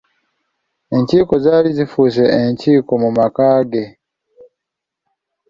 Enkiiko zaali zifuuse enkiiko mu maka ge.